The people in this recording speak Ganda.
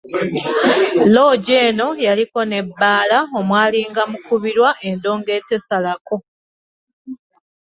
Loogi eno yaliko n'ebbaala omwalinga mukubirwa endongo etesalako.